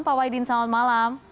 pak wahidin selamat malam